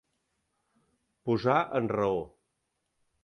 Posar en raó.